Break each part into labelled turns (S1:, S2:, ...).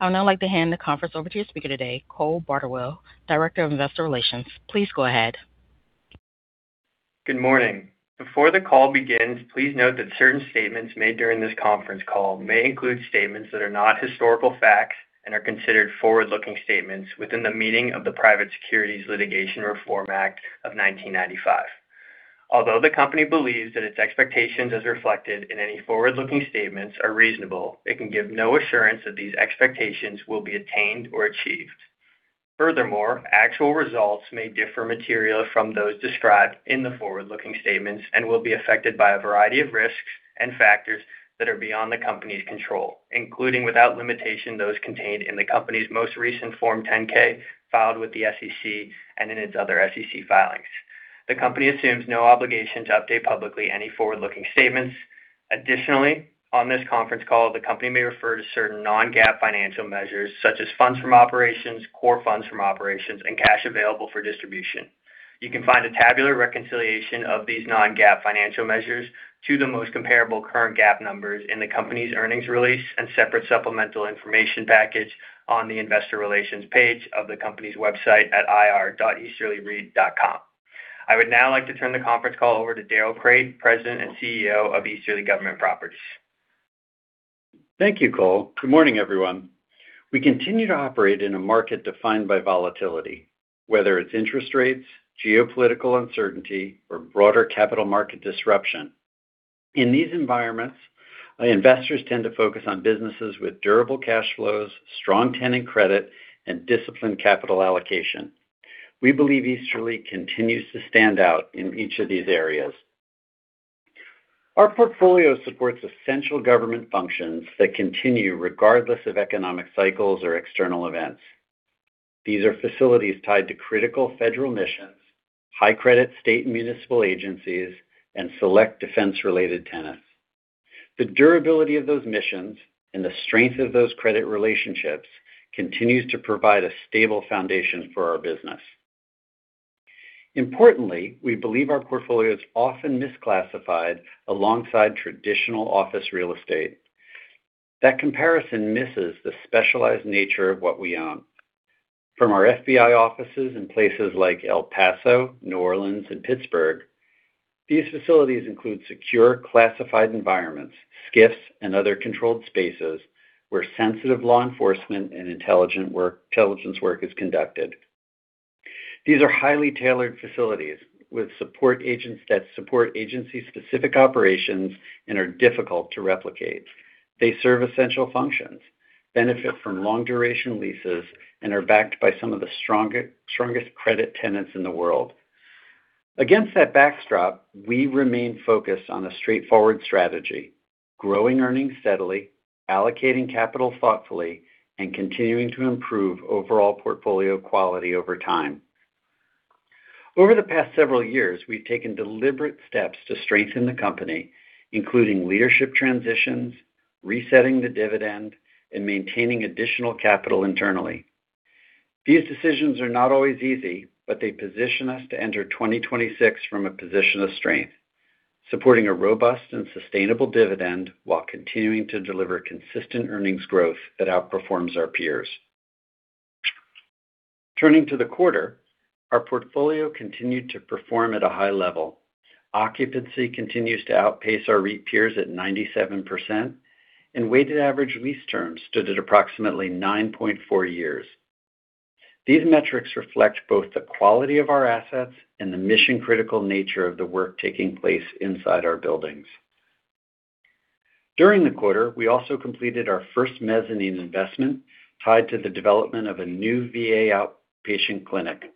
S1: I would now like to hand the conference over to your speaker today, Cole Bardawill, Director of Investor Relations. Please go ahead.
S2: Good morning. Before the call begins, please note that certain statements made during this conference call may include statements that are not historical facts and are considered forward-looking statements within the meaning of the Private Securities Litigation Reform Act of 1995. Although the company believes that its expectations as reflected in any forward-looking statements are reasonable, it can give no assurance that these expectations will be attained or achieved. Furthermore, actual results may differ materially from those described in the forward-looking statements and will be affected by a variety of risks and factors that are beyond the company's control, including without limitation those contained in the company's most recent Form 10-K filed with the SEC and in its other SEC filings. The company assumes no obligation to update publicly any forward-looking statements. Additionally, on this conference call, the company may refer to certain non-GAAP financial measures such as funds from operations, core funds from operations, and cash available for distribution. You can find a tabular reconciliation of these non-GAAP financial measures to the most comparable current GAAP numbers in the company's earnings release and separate supplemental information package on the investor relations page of the company's website at ir.easterlyreit.com. I would now like to turn the conference call over to Darrell Crate, President and CEO of Easterly Government Properties.
S3: Thank you, Cole. Good morning, everyone. We continue to operate in a market defined by volatility, whether it's interest rates, geopolitical uncertainty, or broader capital market disruption. In these environments, investors tend to focus on businesses with durable cash flows, strong tenant credit, and disciplined capital allocation. We believe Easterly continues to stand out in each of these areas. Our portfolio supports essential government functions that continue regardless of economic cycles or external events. These are facilities tied to critical federal missions, high credit state and municipal agencies, and select defense-related tenants. The durability of those missions and the strength of those credit relationships continues to provide a stable foundation for our business. Importantly, we believe our portfolio is often misclassified alongside traditional office real estate. That comparison misses the specialized nature of what we own. From our FBI offices in places like El Paso, New Orleans, and Pittsburgh, these facilities include secure classified environments, SCIFs, and other controlled spaces where sensitive law enforcement and intelligence work is conducted. These are highly tailored facilities with support agents that support agency-specific operations and are difficult to replicate. They serve essential functions, benefit from long-duration leases, and are backed by some of the strongest credit tenants in the world. Against that backdrop, we remain focused on a straightforward strategy, growing earnings steadily, allocating capital thoughtfully, and continuing to improve overall portfolio quality over time. Over the past several years, we've taken deliberate steps to strengthen the company, including leadership transitions, resetting the dividend, and maintaining additional capital internally. These decisions are not always easy, but they position us to enter 2026 from a position of strength, supporting a robust and sustainable dividend while continuing to deliver consistent earnings growth that outperforms our peers. Turning to the quarter, our portfolio continued to perform at a high level. Occupancy continues to outpace our REIT peers at 97%, and weighted average lease terms stood at approximately 9.4 Years. These metrics reflect both the quality of our assets and the mission-critical nature of the work taking place inside our buildings. During the quarter, we also completed our first mezzanine investment tied to the development of a new VA outpatient clinic.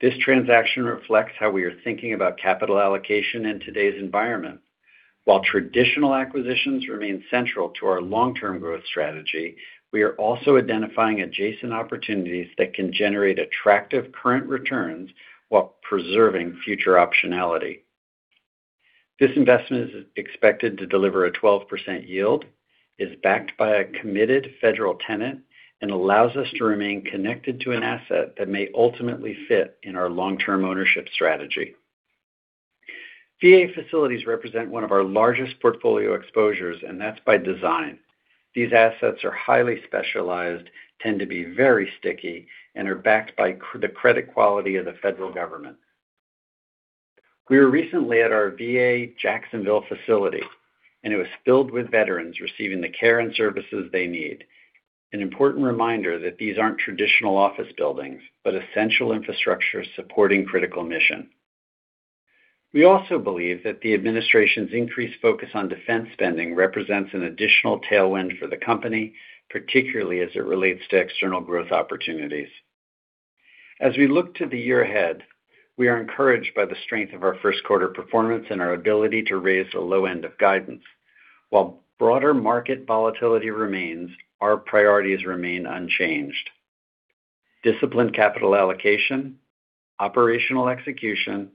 S3: This transaction reflects how we are thinking about capital allocation in today's environment. While traditional acquisitions remain central to our long-term growth strategy, we are also identifying adjacent opportunities that can generate attractive current returns while preserving future optionality. This investment is expected to deliver a 12% yield, is backed by a committed federal tenant, and allows us to remain connected to an asset that may ultimately fit in our long-term ownership strategy. VA facilities represent one of our largest portfolio exposures, and that's by design. These assets are highly specialized, tend to be very sticky, and are backed by the credit quality of the federal government. We were recently at our VA Jacksonville facility, and it was filled with veterans receiving the care and services they need. An important reminder that these aren't traditional office buildings, but essential infrastructure supporting critical mission. We also believe that the administration's increased focus on defense spending represents an additional tailwind for the company, particularly as it relates to external growth opportunities. As we look to the year ahead, we are encouraged by the strength of our first quarter performance and our ability to raise the low-end of guidance. While broader market volatility remains, our priorities remain unchanged. Disciplined capital allocation, operational execution,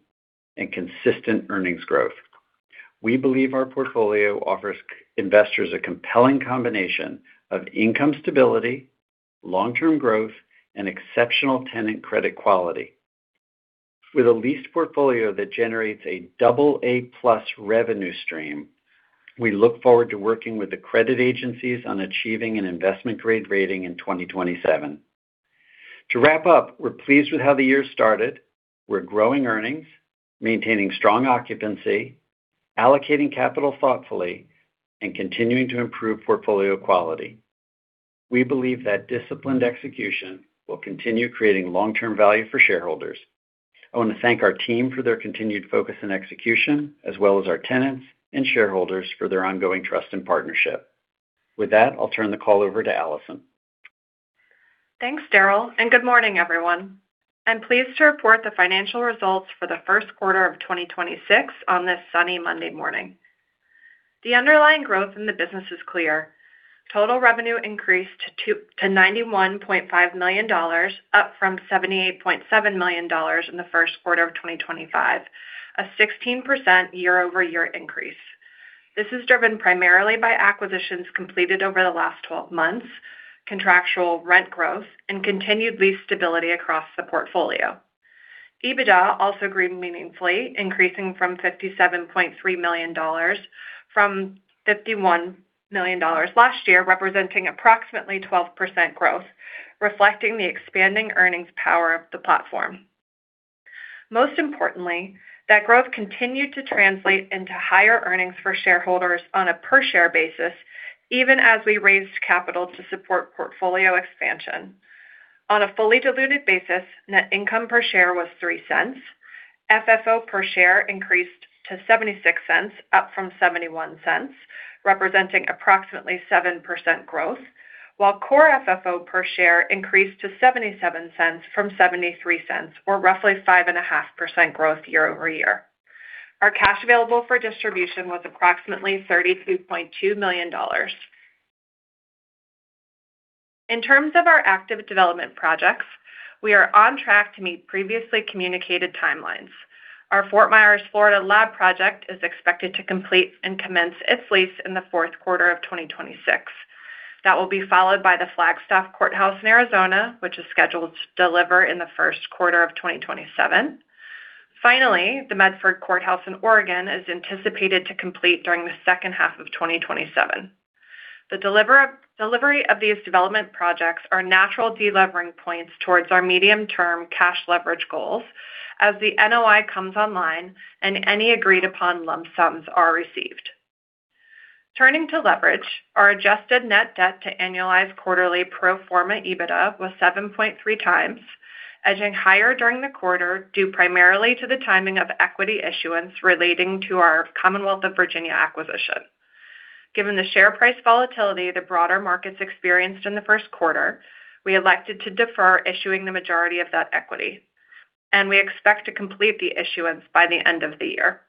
S3: and consistent earnings growth. We believe our portfolio offers investors a compelling combination of income stability, long-term growth, and exceptional tenant credit quality. With a leased portfolio that generates a double A+ revenue stream, we look forward to working with the credit agencies on achieving an investment grade rating in 2027. To wrap-up, we're pleased with how the year started. We're growing earnings, maintaining strong occupancy, allocating capital thoughtfully, and continuing to improve portfolio quality. We believe that disciplined execution will continue creating long-term value for shareholders. I want to thank our team for their continued focus and execution, as well as our tenants and shareholders for their ongoing trust and partnership. With that, I'll turn the call over to Allison.
S4: Thanks, Darrell. Good morning, everyone. I'm pleased to report the financial results for the first quarter of 2026 on this sunny Monday morning. The underlying growth in the business is clear. Total revenue increased to $91.5 million, up from $78.7 million in the first quarter of 2025, a 16% year-over-year increase. This is driven primarily by acquisitions completed over the last 12 months, contractual rent growth, and continued lease stability across the portfolio. EBITDA also grew meaningfully, increasing from $57.3 million from $51 million last year, representing approximately 12% growth, reflecting the expanding earnings power of the platform. Most importantly, that growth continued to translate into higher earnings for shareholders on a per share basis, even as we raised capital to support portfolio expansion. On a fully diluted basis, net income per share was $0.03. FFO per share increased to $0.76, up from $0.71, representing approximately 7% growth. While Core FFO per share increased to $0.77 from $0.73, or roughly 5.5% growth year-over-year. Our cash available for distribution was approximately $32.2 million. In terms of our active development projects, we are on track to meet previously communicated timelines. Our Fort Myers, Florida lab project is expected to complete and commence its lease in the fourth quarter of 2026. That will be followed by the Flagstaff Courthouse in Arizona, which is scheduled to deliver in the first quarter of 2027. Finally, the Medford Courthouse in Oregon is anticipated to complete during the second half of 2027. The delivery of these development projects are natural de-levering points towards our medium-term cash leverage goals as the NOI comes online and any agreed upon lump sums are received. Turning to leverage, our adjusted net debt to annualized quarterly pro forma EBITDA was 7.3x, edging higher during the quarter, due primarily to the timing of equity issuance relating to our Commonwealth of Virginia acquisition. Given the share price volatility the broader markets experienced in the first quarter, we elected to defer issuing the majority of that equity, and we expect to complete the issuance by the end of the year.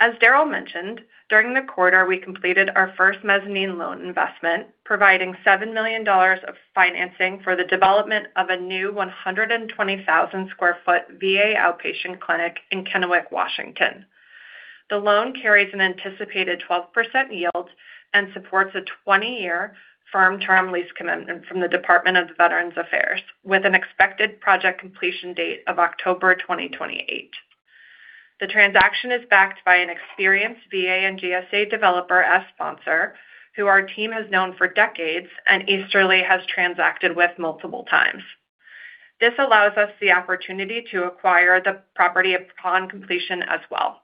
S4: As Darrell mentioned, during the quarter, we completed our first mezzanine loan investment, providing $7 million of financing for the development of a new 120,000 sq ft VA outpatient clinic in Kennewick, Washington. The loan carries an anticipated 12% yield and supports a 20-year firm term lease commitment from the Department of Veterans Affairs, with an expected project completion date of October 2028. The transaction is backed by an experienced VA and GSA developer as sponsor, who our team has known for decades and Easterly has transacted with multiple times. This allows us the opportunity to acquire the property upon completion as well,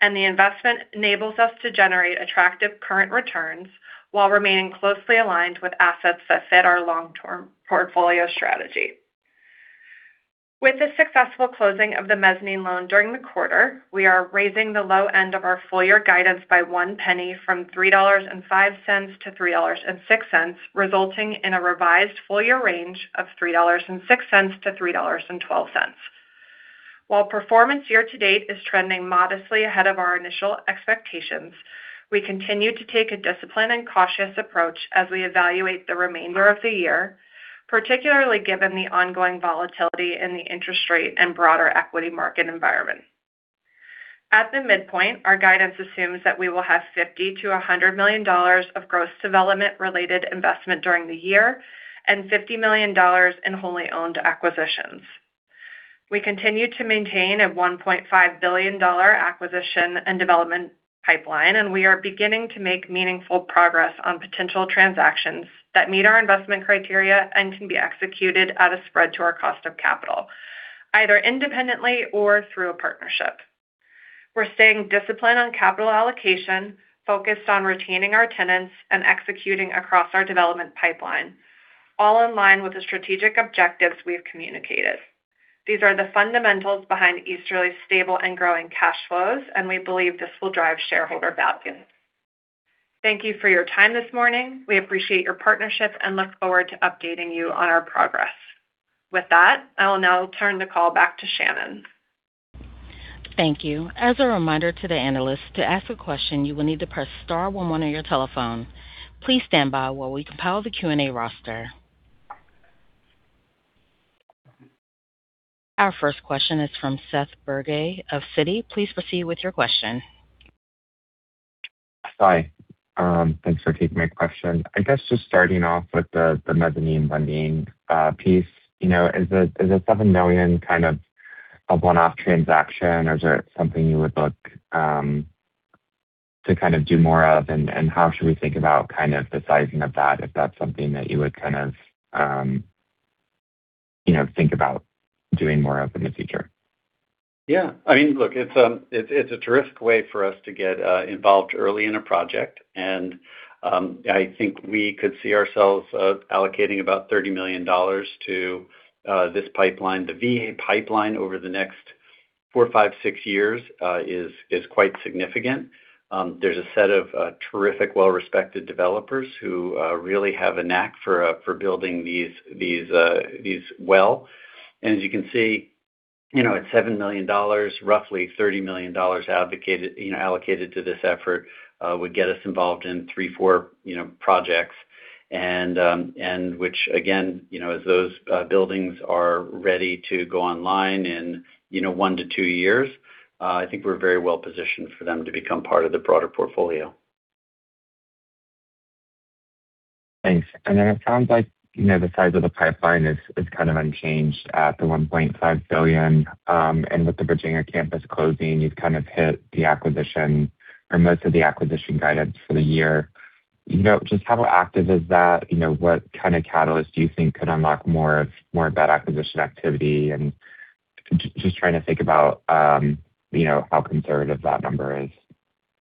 S4: and the investment enables us to generate attractive current returns while remaining closely aligned with assets that fit our long-term portfolio strategy. With the successful closing of the mezzanine loan during the quarter, we are raising the low-end of our full-year guidance by $0.01 from $3.05-$3.06, resulting in a revised full-year range of $3.06-$3.12. While performance year-to-date is trending modestly ahead of our initial expectations, we continue to take a disciplined and cautious approach as we evaluate the remainder of the year, particularly given the ongoing volatility in the interest rate and broader equity market environment. At the midpoint, our guidance assumes that we will have $50 million-$100 million of gross development-related investment during the year and $50 million in wholly owned acquisitions. We continue to maintain a $1.5 billion acquisition and development pipeline, and we are beginning to make meaningful progress on potential transactions that meet our investment criteria and can be executed at a spread to our cost of capital, either independently or through a partnership. We're staying disciplined on capital allocation, focused on retaining our tenants and executing across our development pipeline, all in line with the strategic objectives we've communicated. These are the fundamentals behind Easterly's stable and growing cash flows. We believe this will drive shareholder value. Thank you for your time this morning. We appreciate your partnership and look forward to updating you on our progress. With that, I will now turn the call back to Shannon.
S1: Thank you. As a reminder to the analysts, to ask a question, you will need to press star one one on your telephone. Please stand by while we compile the Q&A roster. Our first question is from Seth Bergey of Citi. Please proceed with your question.
S5: Hi. Um, thanks for taking my question. I guess just starting off with the mezzanine lending, uh, piece. You know, is the, is the $7 million kind of a one-off transaction or is it something you would look, um, to kind of do more of and how should we think about kind of the sizing of that if that's something that you would kind of, um, you know, think about doing more of in the future?
S3: Yeah. I mean, look, it's, um, it's a terrific way for us to get, uh, involved early in a project. And, um, I think we could see ourselves, uh, allocating about $30 millions to, uh, this pipeline. The VA pipeline over the next four, five, six years, uh, is quite significant. Um, there's a set of, uh, terrific, well-respected developers who, uh, really have a knack for, uh, for building these, uh, these well. And as you can see, you know, at $7 million, roughly $30 million advocated, you know, allocated to this effort, uh, would get us involved in three, four, you know, projects. And, um, and which again, you know, as those, uh, buildings are ready to go online in, you know, one to two years, uh, I think we're very well-positioned for them to become part of the broader portfolio.
S5: Thanks. Then it sounds like, you know, the size of the pipeline is kind of unchanged at the $1.5 billion. With the Bridging campus closing, you've kind of hit the acquisition or most of the acquisition guidance for the year. You know, just how active is that? You know, what kind of catalyst do you think could unlock more of that acquisition activity? Just trying to think about, you know, how conservative that number is.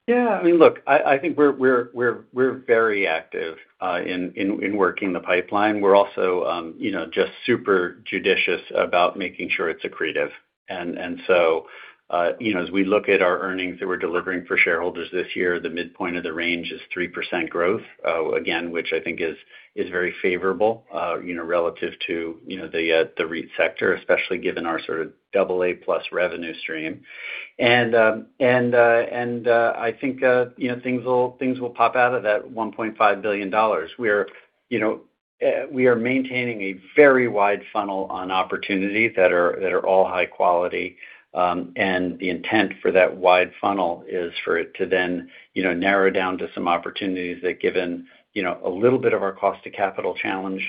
S3: Yeah. I mean, look, I think we're, we're very active, uh, in, in working the pipeline. We're also, um, you know, just super judicious about making sure it's accretive. And, and so, uh, you know, as we look at our earnings that we're delivering for shareholders this year, the midpoint of the range is 3% growth, uh, again, which I think is very favorable, uh, you know, relative to, you know, the, uh, the REIT sector, especially given our sort of AA+ revenue stream. And, um, and, uh, and, uh, I think, uh, you know, things will, things will pop out of that $1.5 Billion. We're, you know, uh, we are maintaining a very wide funnel on opportunities that are, that are all high quality. The intent for that wide funnel is for it to then, you know, narrow down to some opportunities that given, you know, a little bit of our cost to capital challenge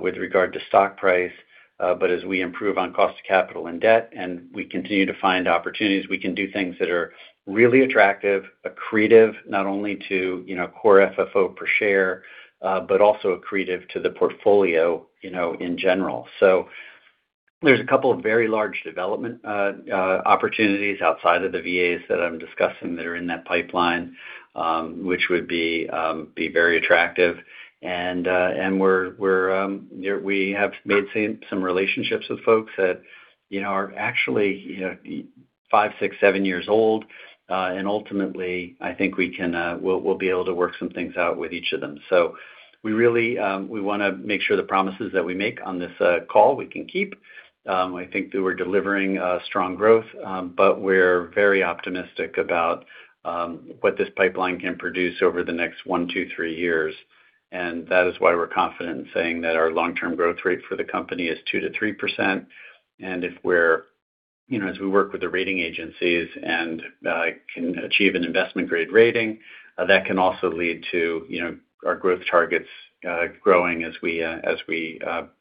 S3: with regard to stock price. As we improve on cost to capital and debt, and we continue to find opportunities, we can do things that are really attractive, accretive, not only to, you know, Core FFO per share, but also accretive to the portfolio, you know, in general. There's a couple of very large development opportunities outside of the VAs that I'm discussing that are in that pipeline, which would be very attractive. We're, you know, we have made some relationships with folks that, you know, are actually, you know, five, six, seven years old. Ultimately, I think we can we'll be able to work some things out with each of them. We really, we wanna make sure the promises that we make on this call, we can keep. I think that we're delivering strong growth, but we're very optimistic about what this pipeline can produce over the next one, two, three years. That is why we're confident in saying that our long-term growth rate for the company is 2%-3%. You know, as we work with the rating agencies and can achieve an investment grade rating, that can also lead to, you know, our growth targets growing as we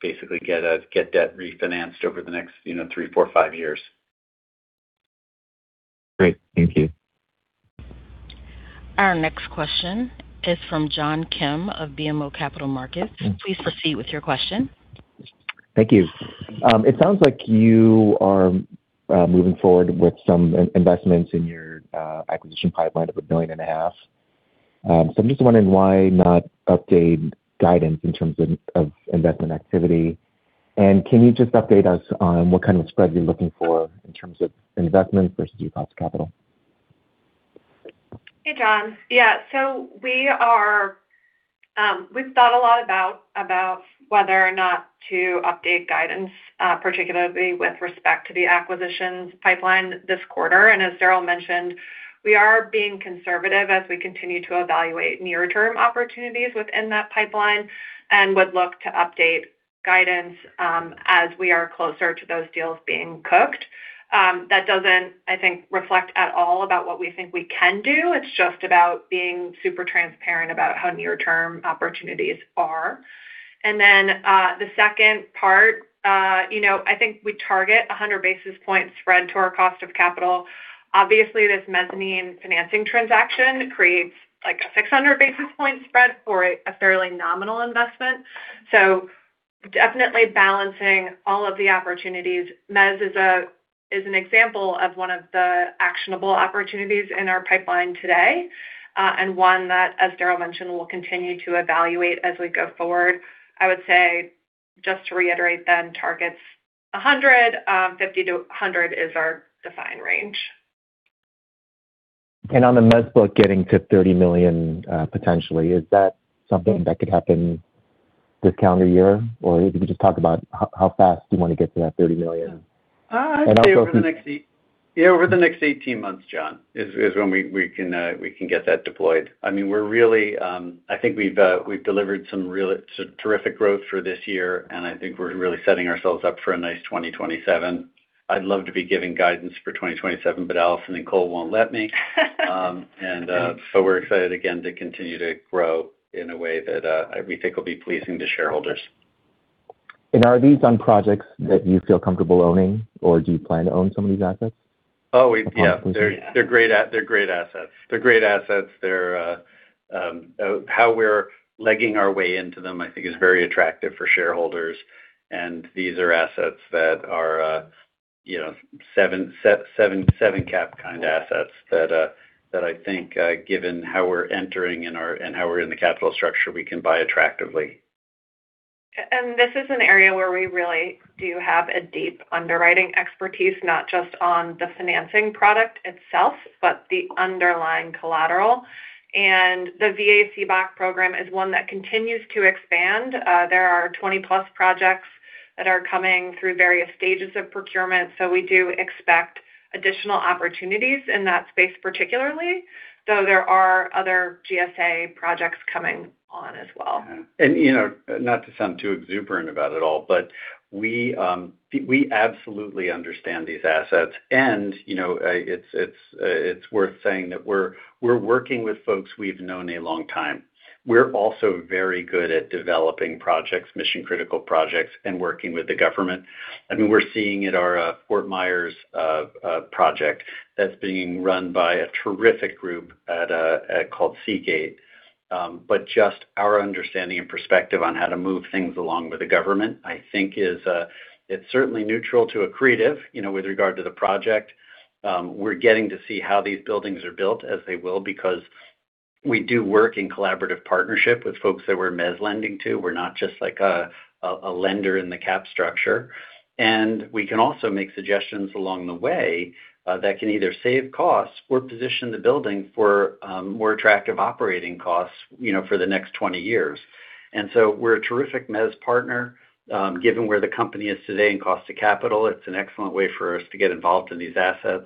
S3: basically get debt refinanced over the next, you know, three, four, five years.
S5: Great. Thank you.
S1: Our next question is from John Kim of BMO Capital Markets. Please proceed with your question.
S6: Thank you. It sounds like you are moving forward with some investments in your acquisition pipeline of a $1.5 billion. I'm just wondering why not update guidance in terms of investment activity? Can you just update us on what kind of spread you're looking for in terms of investment versus cost of capital?
S4: Hey, John. Yeah. We've thought a lot about whether or not to update guidance, particularly with respect to the acquisitions pipeline this quarter. As Darrell mentioned, we are being conservative as we continue to evaluate near-term opportunities within that pipeline and would look to update guidance as we are closer to those deals being cooked. That doesn't, I think, reflect at all about what we think we can do. It's just about being super transparent about how near-term opportunities are. You know, I think we target 100 basis points spread to our cost of capital. Obviously, this mezzanine financing transaction creates like a 600 basis point spread for a fairly nominal investment. Definitely balancing all of the opportunities. Mez is an example of one of the actionable opportunities in our pipeline today, and one that, as Darrell mentioned, we'll continue to evaluate as we go forward. I would say, just to reiterate then, targets 100, 50-100 is our defined range.
S6: On the Mez book getting to $30 million, potentially, is that something that could happen this calendar year? If you could just talk about how fast you want to get to that $30 million.
S3: I'd say over the next.
S6: And also.
S3: Over the next 18 months, John, is when we can get that deployed. I mean, we're really, I think we've delivered some real terrific growth for this year, and I think we're really setting ourselves up for a nice 2027. I'd love to be giving guidance for 2027, but Allison and Cole won't let me. We're excited again to continue to grow in a way that we think will be pleasing to shareholders.
S6: Are these on projects that you feel comfortable owning, or do you plan to own some of these assets?
S3: Oh, yeah. They're great assets. They're great assets. They're how we're legging our way into them, I think is very attractive for shareholders, and these are assets that are, you know, seven cap kind of assets that that I think, given how we're entering and how we're in the capital structure, we can buy attractively.
S4: This is an area where we really do have a deep underwriting expertise, not just on the financing product itself, but the underlying collateral. The VA CBOC program is one that continues to expand. There are 20+ projects that are coming through various stages of procurement. We do expect additional opportunities in that space, particularly, though there are other GSA projects coming on as well.
S3: You know, not to sound too exuberant about it all, but we absolutely understand these assets. You know, it's worth saying that we're working with folks we've known a long time. We're also very good at developing projects, mission-critical projects, and working with the government. I mean, we're seeing at our Fort Myers project that's being run by a terrific group called Seagate. Just our understanding and perspective on how to move things along with the government, I think is, it's certainly neutral to accretive, you know, with regard to the project. We're getting to see how these buildings are built as they will because we do work in collaborative partnership with folks that we're mez lending to. We're not just like a lender in the cap structure. We can also make suggestions along the way that can either save costs or position the building for more attractive operating costs, you know, for the next 20 years. We're a terrific mez partner, given where the company is today in cost of capital. It's an excellent way for us to get involved in these assets.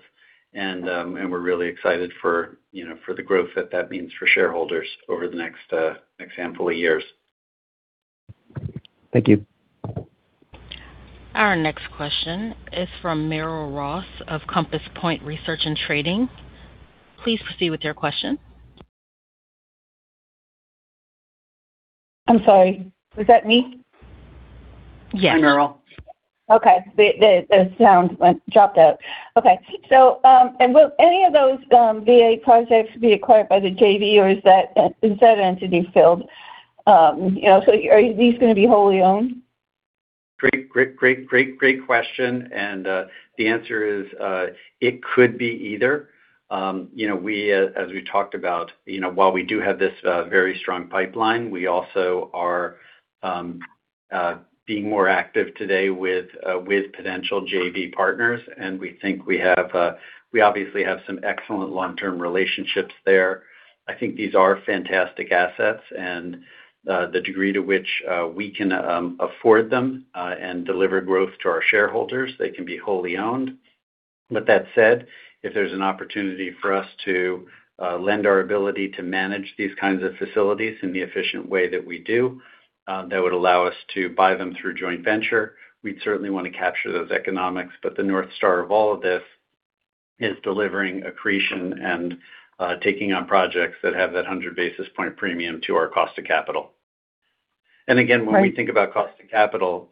S3: We're really excited for, you know, for the growth that that means for shareholders over the next handful of years.
S6: Thank you.
S1: Our next question is from Merrill Ross of Compass Point Research & Trading. Please proceed with your question.
S7: I'm sorry. Was that me?
S1: Yes.
S3: Hi, Merrill.
S7: Okay. The sound dropped out. Okay. Will any of those VA projects be acquired by the JV, or is that entity filled? You know, are these gonna be wholly owned?
S3: Great question. The answer is, it could be either. You know, we as we talked about, you know, while we do have this very strong pipeline, we also are being more active today with potential JV partners, and we think we obviously have some excellent long-term relationships there. I think these are fantastic assets and the degree to which we can afford them and deliver growth to our shareholders, they can be wholly owned. That said, if there's an opportunity for us to lend our ability to manage these kinds of facilities in the efficient way that we do, that would allow us to buy them through joint venture. We'd certainly want to capture those economics, but the north star of all of this is delivering accretion and taking on projects that have that 100 basis point premium to our cost of capital.
S7: Right.
S3: When we think about cost of capital,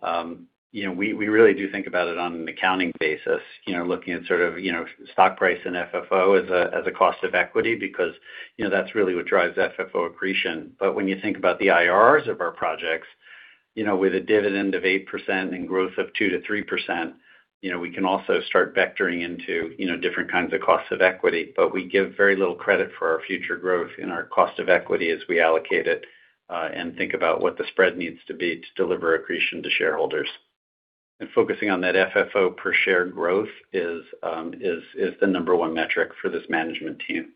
S3: you know, we really do think about it on an accounting basis, you know, looking at sort of, you know, stock price and FFO as a, as a cost of equity because, you know, that's really what drives FFO accretion. When you think about the IRRs of our projects, you know, with a dividend of 8% and growth of 2%-3%, you know, we can also start vectoring into, you know, different kinds of costs of equity. We give very little credit for our future growth in our cost of equity as we allocate it, and think about what the spread needs to be to deliver accretion to shareholders. Focusing on that FFO per share growth is the number one metric for this management team.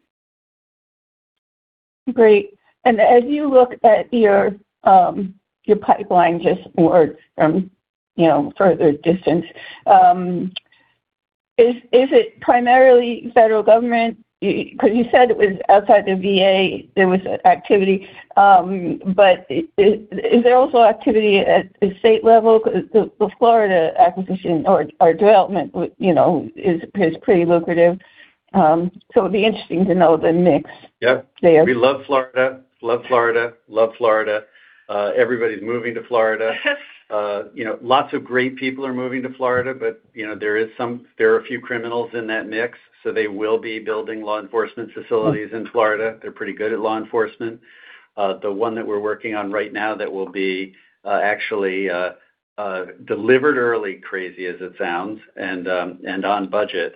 S7: Great. As you look at your pipeline just more from, you know, further distance, is it primarily federal government? 'Cause you said it was outside the VA, there was activity, but is there also activity at the state level? 'Cause the Florida acquisition or development you know, is pretty lucrative. It'd be interesting to know the mix.
S3: Yeah.
S7: There.
S3: We love Florida. Love Florida. Love Florida. Everybody's moving to Florida. You know, lots of great people are moving to Florida, but you know, there are a few criminals in that mix, so they will be building law enforcement facilities in Florida. They're pretty good at law enforcement. The one that we're working on right now that will be actually delivered early, crazy as it sounds, and on budget.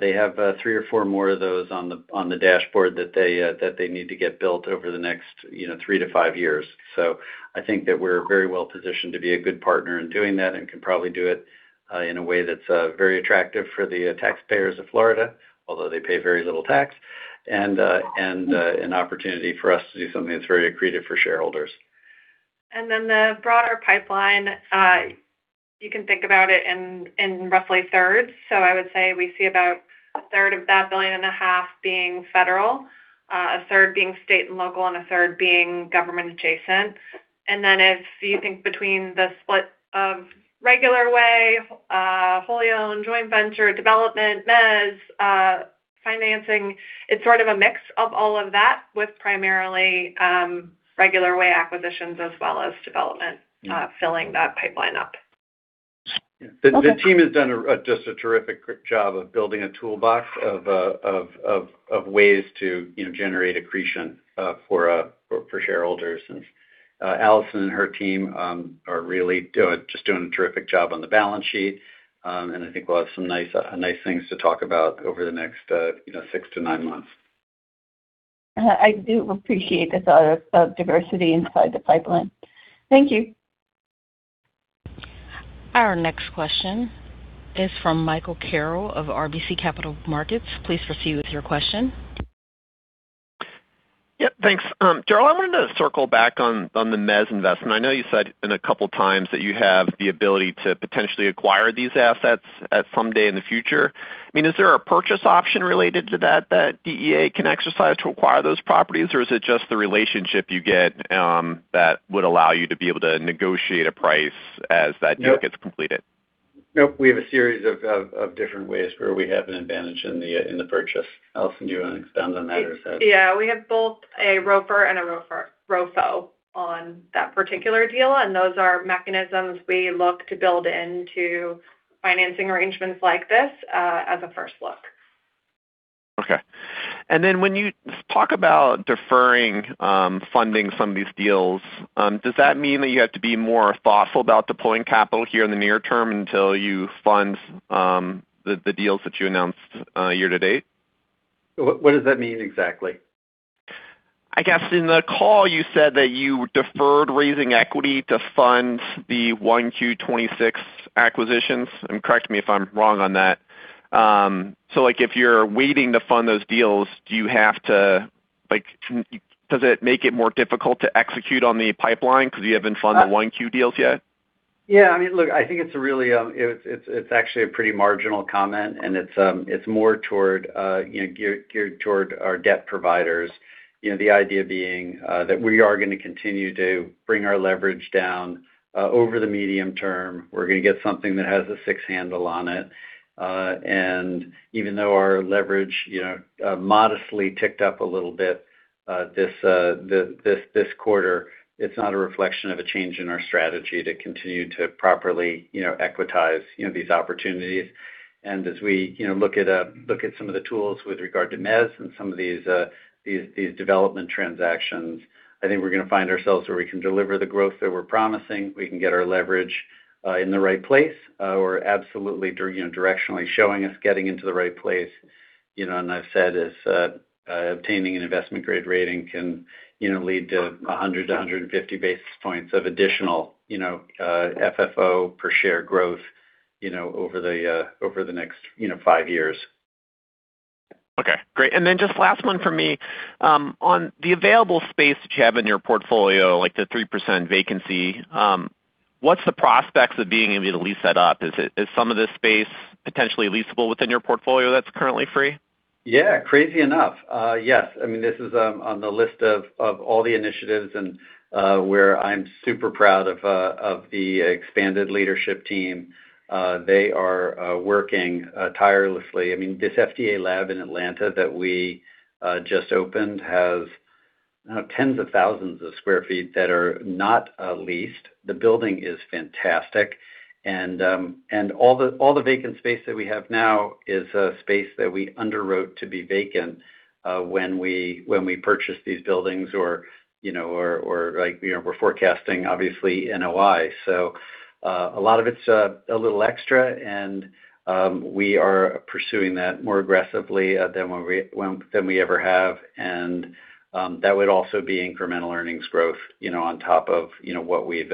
S3: They have three or four more of those on the dashboard that they need to get built over the next, you know, three to five years. I think that we're very well-positioned to be a good partner in doing that and can probably do it in a way that's very attractive for the taxpayers of Florida, although they pay very little tax, and an opportunity for us to do something that's very accretive for shareholders.
S4: The broader pipeline, you can think about it in roughly thirds. I would say we see about 1/3 of that $1.5 billion being federal, a third being state and local, and a third being government adjacent. If you think between the split of regular way, wholly owned, joint venture, development, mez, financing, it's sort of a mix of all of that, with primarily, regular way acquisitions as well as development, filling that pipeline up.
S3: The team has done just a terrific job of building a toolbox of ways to, you know, generate accretion for shareholders. Allison and her team are really just doing a terrific job on the balance sheet. I think we'll have some nice things to talk about over the next, you know, six to nine months.
S7: I do appreciate the thought of diversity inside the pipeline. Thank you.
S1: Our next question is from Michael Carroll of RBC Capital Markets. Please proceed with your question.
S8: Yeah, thanks. Um, Darrell, I wanted to circle back on the mez investment. I know you said in a couple times that you have the ability to potentially acquire these assets at some day in the future. I mean, is there a purchase option related to that DEA can exercise to acquire those properties? Or is it just the relationship you get, um, that would allow you to be able to negotiate a price as that deal gets completed?
S3: Nope. We have a series of different ways where we have an advantage in the purchase. Allison, do you want to expand on that?
S4: Yeah. We have both a ROFR and a ROFO on that particular deal. Those are mechanisms we look to build into financing arrangements like this, as a first look.
S8: Okay. And then when you talk about deferring, um, funding some of these deals, um, does that mean that you have to be more thoughtful about deploying capital here in the near-term until you fund, um, the deals that you announced, uh, year-to-date?
S3: What, what does that mean exactly?
S8: I guess in the call you said that you deferred raising equity to fund the 1Q 2026 acquisitions. Correct me if I'm wrong on that. Like, if you're waiting to fund those deals, does it make it more difficult to execute on the pipeline because you haven't funded the 1Q deals yet?
S3: Yeah, I mean, look, I think it's a really, it's actually a pretty marginal comment, and it's more toward, you know, geared toward our debt providers. You know, the idea being, that we are gonna continue to bring our leverage down, over the medium-term. We're gonna get something that has a six handle on it. Even though our leverage, you know, modestly ticked up a little bit, this quarter, it's not a reflection of a change in our strategy to continue to properly, you know, equitize, you know, these opportunities. As we, you know, look at, look at some of the tools with regard to mez and some of these development transactions, I think we're gonna find ourselves where we can deliver the growth that we're promising. We can get our leverage in the right place. We're absolutely directionally showing us getting into the right place. You know, I've said if obtaining an investment-grade rating can, you know, lead to 100 to 150 basis points of additional, you know, FFO per share growth, you know, over the next five years.
S8: Okay, great. Just last one for me. On the available space that you have in your portfolio, like the 3% vacancy, what's the prospects of being able to lease that up? Is some of this space potentially leasable within your portfolio that's currently free?
S3: Yeah. Crazy enough. Yes. I mean, this is on the list of all the initiatives and where I'm super proud of the expanded leadership team. They are working tirelessly. I mean, this FDA lab in Atlanta that we just opened has tens of thousands of square feet that are not leased. The building is fantastic. All the, all the vacant space that we have now is a space that we underwrote to be vacant when we purchased these buildings or, you know, or like, you know, we're forecasting obviously NOI. A lot of it's a little extra, and we are pursuing that more aggressively than we ever have. That would also be incremental earnings growth, you know, on top of, you know, what we've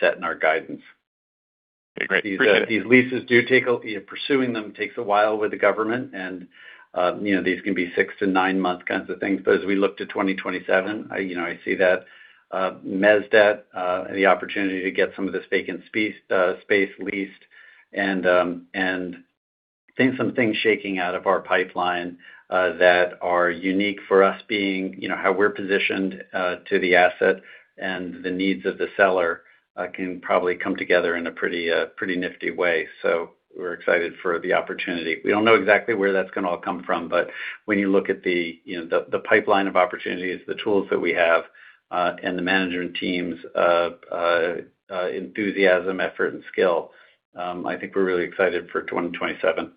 S3: set in our guidance.
S8: Great. Appreciate it.
S3: These leases do take a. You know, pursuing them takes a while with the Government and, you know, these can be six to nine-month kinds of things. As we look to 2027, I, you know, I see that mezzanine debt, the opportunity to get some of this vacant space leased and seeing some things shaking out of our pipeline, that are unique for us, being, you know, how we're positioned to the asset and the needs of the seller, can probably come together in a pretty nifty way. We're excited for the opportunity. We don't know exactly where that's gonna all come from, but when you look at the, you know, the pipeline of opportunities, the tools that we have, and the management team's enthusiasm, effort and skill, I think we're really excited for 2027.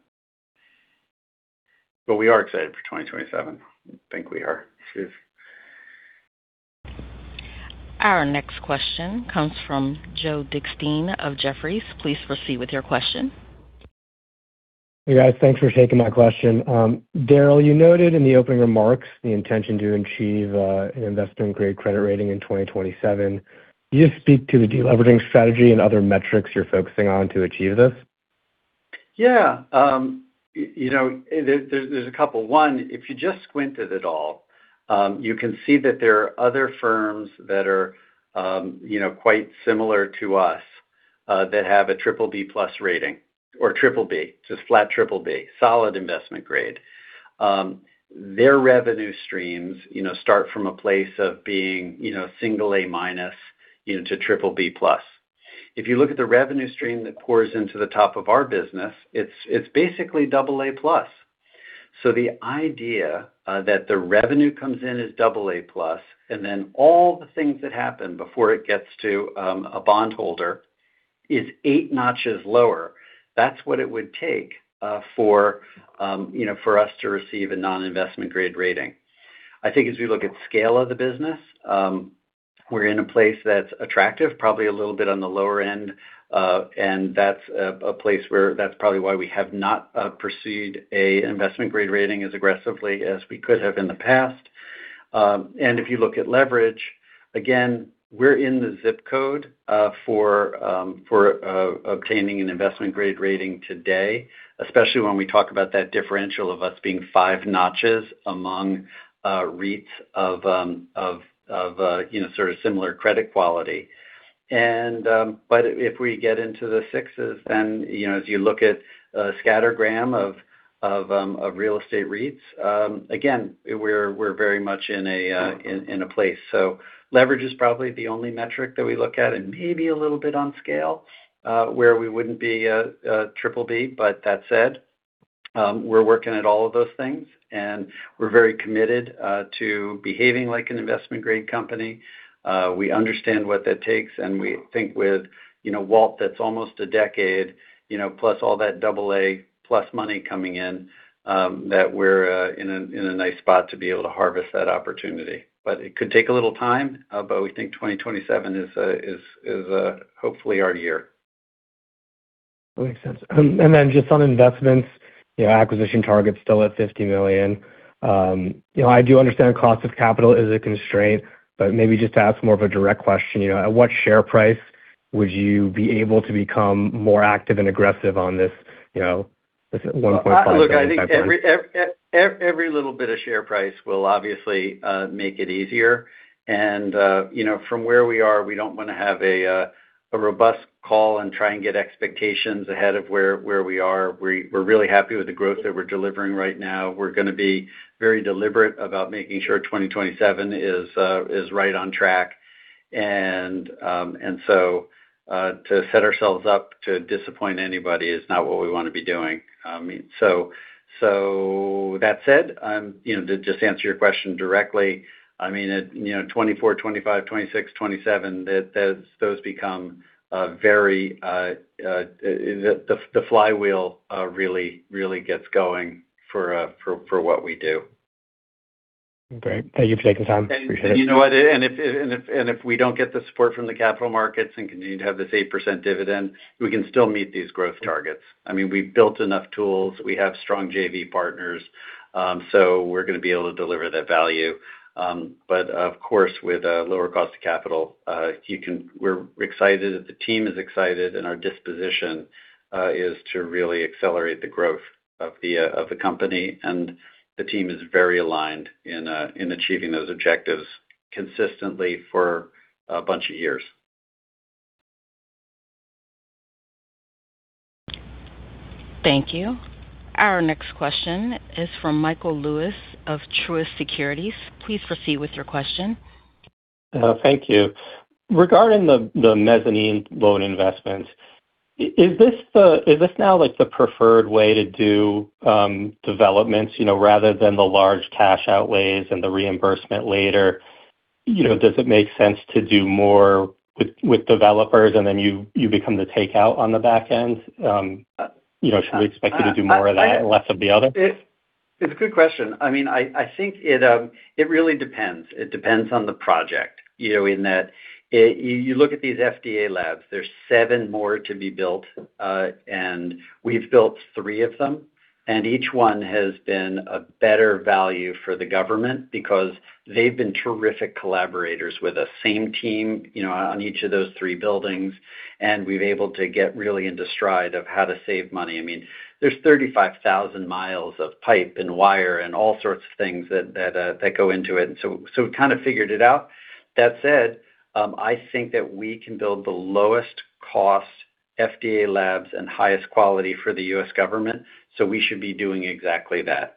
S3: Well, we are excited for 2027. I think we are. Cheers.
S1: Our next question comes from Joe Dickstein of Jefferies. Please proceed with your question.
S9: Hey, guys. Thanks for taking my question. Darrell, you noted in the opening remarks the intention to achieve an investment-grade credit rating in 2027. Can you just speak to the deleveraging strategy and other metrics you're focusing on to achieve this?
S3: Yeah. Um, you know, there, there's a couple. One, if you just squinted at all, um, you can see that there are other firms that are, um, you know, quite similar to us. Uh, that have a BBB+ rating or BBB, just flat BBB, solid investment grade. Um, their revenue streams, you know, start from a place of being, you know, A-, you know, to BBB+. If you look at the revenue stream that pours into the top of our business, it's basically AA+. So the idea, uh, that the revenue comes in as AA+, and then all the things that happen before it gets to, um, a bondholder is eight notches lower. That's what it would take, uh, for, um, you know, for us to receive a non-investment grade rating. I think as we look at scale of the business, we're in a place that's attractive, probably a little bit on the lower-end. That's a place where that's probably why we have not pursued a investment grade rating as aggressively as we could have in the past. If you look at leverage, again, we're in the ZIP code for obtaining an investment grade rating today, especially when we talk about that differential of us being five notches among REITs of, you know, sort of similar credit quality. If we get into the sixes and, you know, as you look at a scattergram of real estate REITs, again, we're very much in a place. Leverage is probably the only metric that we look at, and maybe a little bit on scale, where we wouldn't be a BBB. That said, we're working at all of those things, and we're very committed to behaving like an investment grade company. We understand what that takes, and we think with, you know, WALT, that's almost a decade, you know, plus all that AA money coming in, that we're in a nice spot to be able to harvest that opportunity. It could take a little time, but we think 2027 is hopefully our year.
S9: That makes sense. Just on investments, your acquisition target's still at $50 million. You know, I do understand cost of capital is a constraint, but maybe just to ask more of a direct question, you know, at what share price would you be able to become more active and aggressive on this, you know, this at 1.5x EBITDA?
S3: Look, I think every little bit of share price will obviously make it easier. You know, from where we are, we don't wanna have a robust call and try and get expectations ahead of where we are. We're really happy with the growth that we're delivering right now. We're gonna be very deliberate about making sure 2027 is right on track. To set ourselves up to disappoint anybody is not what we wanna be doing. That said, you know, to just answer your question directly, I mean, at, you know, 24, 25, 26, 27, that, those become very. The flywheel really gets going for what we do.
S9: Great. Thank you for taking the time. Appreciate it.
S3: You know what, if we don't get the support from the capital markets and continue to have this 8% dividend, we can still meet these growth targets. I mean, we've built enough tools. We have strong JV partners. So we're gonna be able to deliver that value. But of course, with a lower cost of capital. We're excited. The team is excited, and our disposition is to really accelerate the growth of the company. The team is very aligned in achieving those objectives consistently for a bunch of years.
S1: Thank you. Our next question is from Michael Lewis of Truist Securities. Please proceed with your question.
S10: Thank you. Regarding the mezzanine loan investments, is this now, like, the preferred way to do developments, you know, rather than the large cash outlays and the reimbursement later? You know, does it make sense to do more with developers, and then you become the takeout on the back-end? You know, should we expect you to do more of that and less of the other?
S3: It's a good question. I mean, I think it really depends. It depends on the project, you know, in that you look at these FDA labs, there's seven more to be built, and we've built three of them, and each one has been a better value for the government because they've been terrific collaborators. We're the same team, you know, on each of those three buildings, and we've been able to get really into stride of how to save money. I mean, there's 35,000 miles of pipe and wire and all sorts of things that go into it, and so we've kind of figured it out. That said, I think that we can build the lowest cost FDA labs and highest quality for the U.S. government, so we should be doing exactly that.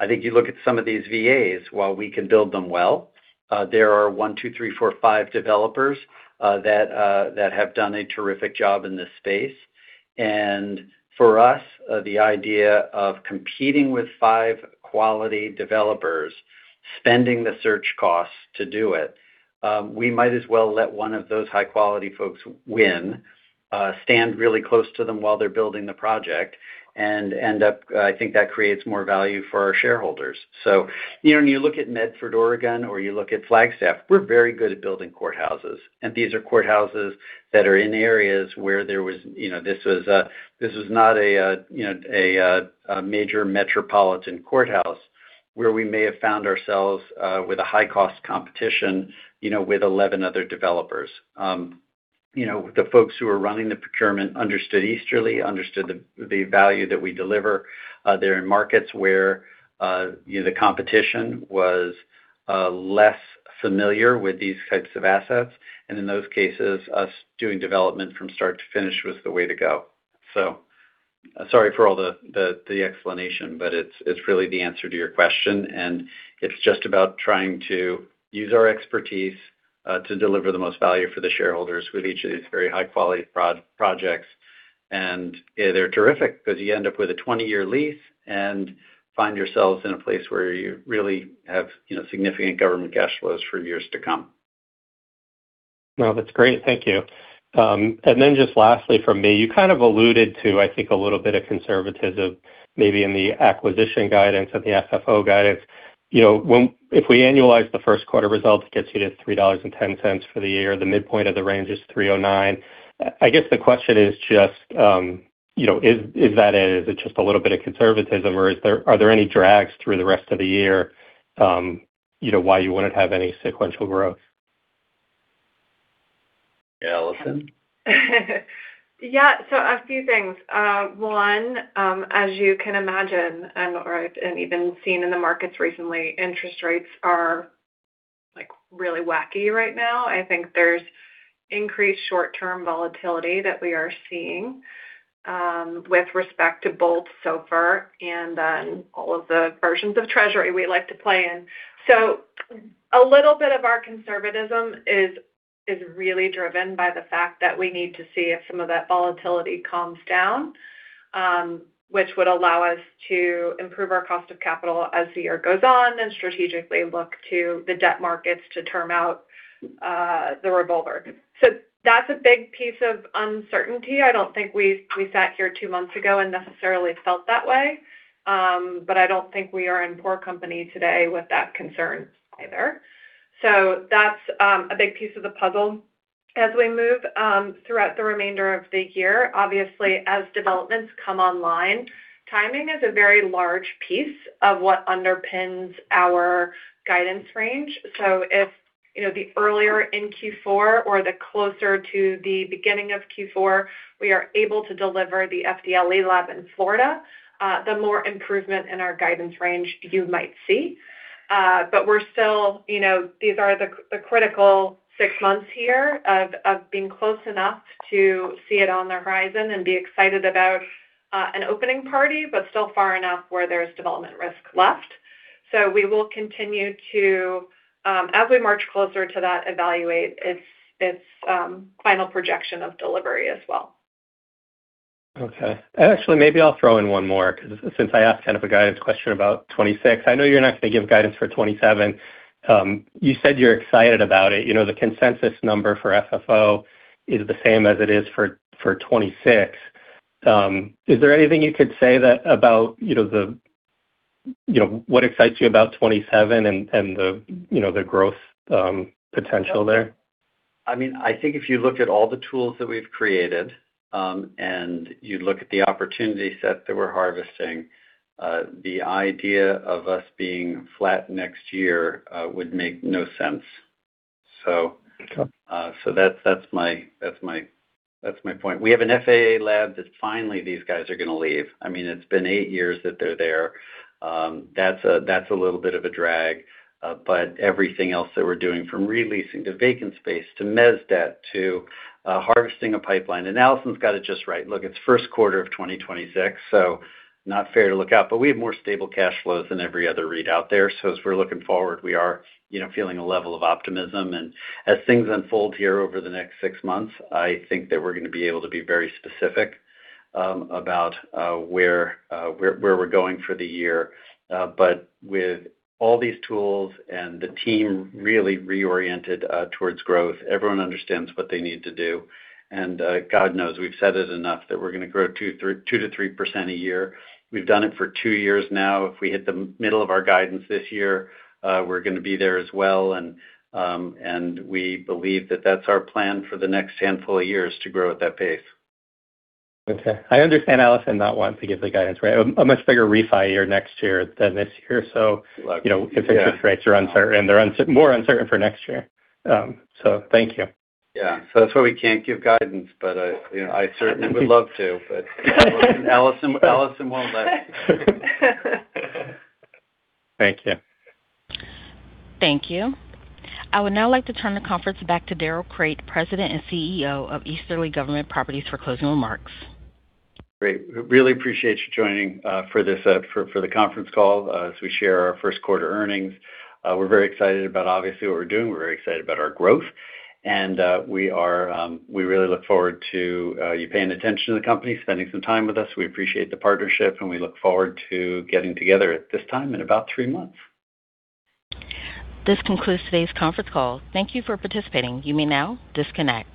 S3: I think you look at some of these VAs, while we can build them well, uh, there are one, two, three, four, five developers, uh, that, uh, that have done a terrific job in this space. And for us, uh, the idea of competing with five quality developers, spending the search costs to do it, um, we might as well let one of those high-quality folks win, uh, stand really close to them while they're building the project, and end up. Uh, I think that creates more value for our shareholders. So, you know, when you look at Medford, Oregon, or you look at Flagstaff, we're very good at building courthouses, and these are courthouses that are in areas where there was. You know, this was not a, you know, a major metropolitan courthouse where we may have found ourselves with a high-cost competition, you know, with 11 other developers. You know, the folks who were running the procurement understood Easterly, understood the value that we deliver. They're in markets where, you know, the competition was less familiar with these types of assets, and in those cases, us doing development from start to finish was the way to go. Sorry for all the explanation, but it's really the answer to your question, and it's just about trying to use our expertise to deliver the most value for the shareholders with each of these very high-quality projects. And they're terrific because you end up with a 20 lease and find yourselves in a place where you really have, you know, significant government cash flows for years to come.
S10: No, that's great. Thank you. Um, and then just lastly from me, you kind of alluded to, I think, a little bit of conservatism maybe in the acquisition guidance and the FFO guidance. You know, when, if we annualize the first quarter results, it gets you $3 to and $0.10 for the year. The midpoint of the range is 309. I guess the question is just, um, you know, is that it? Is it just a little bit of conservatism, or is there, are there any drags through the rest of the year, um, you know, why you wouldn't have any sequential growth?
S3: Allison?
S4: Yeah. A few things. One, as you can imagine, or even seen in the markets recently, interest rates are, like, really wacky right now. I think there's increased short-term volatility that we are seeing, with respect to both SOFR and all of the versions of Treasury we like to play in. A little bit of our conservatism is really driven by the fact that we need to see if some of that volatility calms down, which would allow us to improve our cost of capital as the year goes on and strategically look to the debt markets to term out the revolver. That's a big piece of uncertainty. I don't think we sat here two months ago and necessarily felt that way. I don't think we are in poor company today with that concern either. That's a big piece of the puzzle. As we move throughout the remainder of the year, obviously, as developments come online, timing is a very large piece of what underpins our guidance range. If, you know, the earlier in Q4 or the closer to the beginning of Q4, we are able to deliver the FDLE lab in Florida, the more improvement in our guidance range you might see. But we're still, you know, these are the critical six months here of being close enough to see it on the horizon and be excited about an opening party but still far enough where there's development risk left. We will continue to, as we march closer to that, evaluate its final projection of delivery as well.
S10: Okay. Actually, maybe I'll throw in one more 'cause since I asked kind of a guidance question about 26. I know you're not gonna give guidance for 2027. You said you're excited about it. You know, the consensus number for FFO is the same as it is for 2026. Is there anything you could say that about, you know, the, you know, what excites you about 2027 and the, you know, the growth, potential there?
S3: I mean, I think if you look at all the tools that we've created, and you look at the opportunity set that we're harvesting, the idea of us being flat next year, would make no sense.
S10: Okay.
S3: That's my point. We have an FAA lab that finally these guys are gonna leave. I mean, it's been eight years that they're there. That's a little bit of a drag. Everything else that we're doing from re-leasing to vacant space to mez debt to harvesting a pipeline. Allison's got it just right. Look, it's first quarter of 2026, so not fair to look out. We have more stable cash flows than every other REIT out there. As we're looking forward, we are, you know, feeling a level of optimism. As things unfold here over the next six months, I think that we're gonna be able to be very specific about where we're going for the year. With all these tools and the team really reoriented, towards growth, everyone understands what they need to do. God knows we've said it enough that we're gonna grow 2%-3% a year. We've done it for two years now. If we hit the middle of our guidance this year, we're gonna be there as well. We believe that that's our plan for the next handful of years to grow at that pace.
S10: Okay. I understand Allison not wanting to give the guidance, right? A much bigger refi year next year than this year. You know.
S3: Yeah.
S10: Interest rates are uncertain. They're more uncertain for next year. Thank you.
S3: Yeah. That's why we can't give guidance. You know, I certainly would love to. Allison won't let.
S10: Thank you.
S1: Thank you. I would now like to turn the conference back to Darrell Crate, President and CEO of Easterly Government Properties, for closing remarks.
S3: Great. We really appreciate you joining for the conference call, as we share our first quarter earnings. We're very excited about obviously what we're doing. We're very excited about our growth, and we really look forward to you paying attention to the company, spending some time with us. We appreciate the partnership, and we look forward to getting together at this time in about three months.
S1: This concludes today's conference call. Thank you for participating. You may now disconnect.